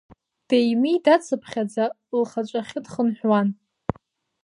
Деимидацԥхьаӡа лхаҿахьы дхынҳәуан.